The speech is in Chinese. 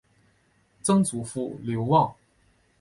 曾祖父刘旺。